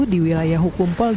di wilayah hukum poljabah